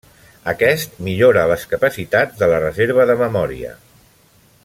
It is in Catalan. Aquest millora les capacitats de la reserva de memòria.